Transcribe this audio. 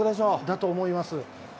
だと思います。